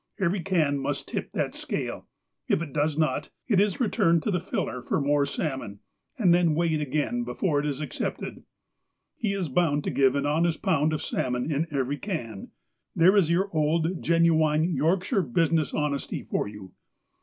Every can must tip that scale. If it does not, it is returned to the filler for more salmon, and then weighed again before it is ac cepted. He is bound to give an honest pound of salmon in every can. There is old genuine Yorkshire business honesty for you